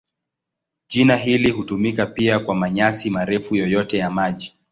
Jina hili hutumika pia kwa manyasi marefu yoyote ya maji.